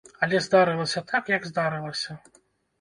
Але здарылася так, як здарылася.